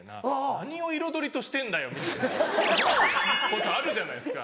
何を彩りとしてんだよみたいなことあるじゃないですか。